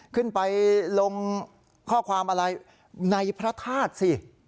ขึ้นไปลงข้อความอะไรในพระธาตุสิ